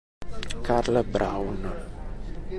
Carl Braun